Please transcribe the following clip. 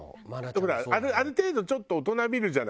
ほらある程度ちょっと大人びるじゃない？